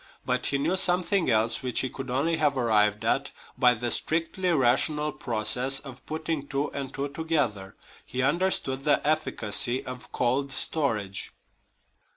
But he knew something else, which he could only have arrived at by the strictly rational process of putting two and two together he understood the efficacy of cold storage.